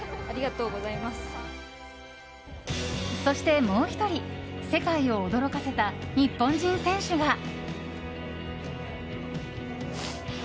そして、もう１人世界を驚かせた日本人選手が。